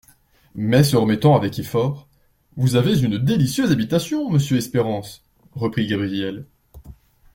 Mais se remettant avec effort : Vous avez une délicieuse habitation, monsieur Espérance, reprit Gabrielle.